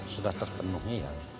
sudah terpenuhnya ya